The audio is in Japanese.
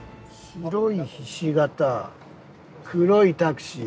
白いひし形黒いタクシー。